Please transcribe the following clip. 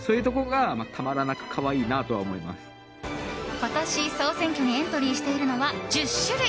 今年、総選挙にエントリーしているのは１０種類。